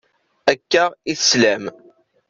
Akka i teslam.